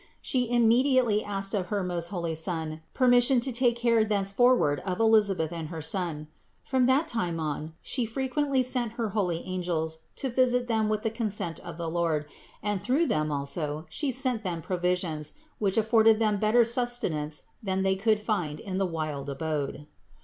She immediately asked of her most holy Son permission to take care thenceforward of Elisabeth and her son. From that time on She frequently sent her holy angels to visit them with the consent of the Lord ; and through them also She sent them provisions, which afforded them better sustenance than they could find in the wild abode.